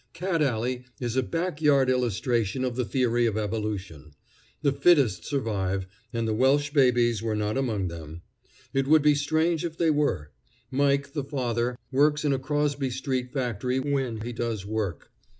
Cat Alley is a back yard illustration of the theory of evolution. The fittest survive, and the Welsh babies were not among them. It would be strange if they were. Mike, the father, works in a Crosby street factory when he does work.